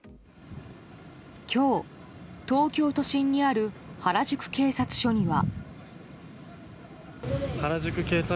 今日、東京都心にある原宿警察署には。